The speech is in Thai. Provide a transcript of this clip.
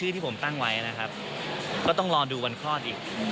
ที่ที่ผมตั้งไว้นะครับก็ต้องรอดูวันคลอดอีก